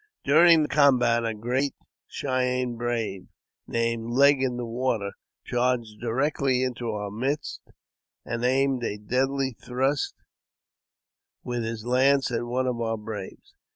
During the combat a great Cheyenne brave, named Leg in the Water, charged directly into our midst, and aimed a deadly thrust with his lance at one of our braves.